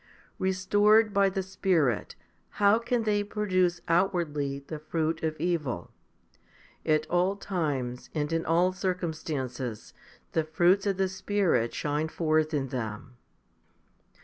ii. Restored by the Spirit, how can they produce outwardly the fruit of evil ? At all times and in all circumstances the fruits of the Spirit shine forth in them.